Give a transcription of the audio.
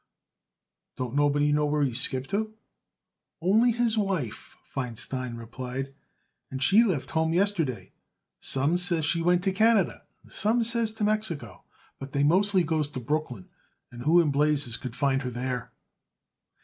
"Don't nobody know where he skipped to?" "Only his wife," Feinstein replied, "and she left home yesterday. Some says she went to Canada and some says to Mexico; but they mostly goes to Brooklyn, and who in blazes could find her there?"